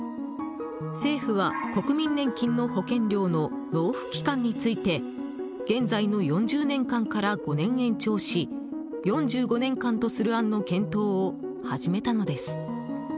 政府は、国民年金の保険料の納付期間について現在の４０年間から５年延長し４５年間とする案の検討を始めたのです。